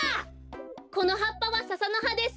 このはっぱは笹のはです。